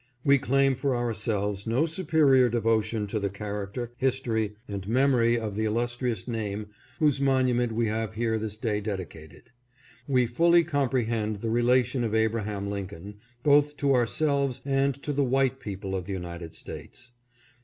We claim for ourselves no superior devotion to the character, his tory, and memory of the illustrious name whose monu ment we have here this day dedicated. We fully compre hend the relation of Abraham Lincoln both to ourselves and 588 ABRAHAM LINCOLN — THE WHITE MAN'S PRESIDENT. to the white people of the United States.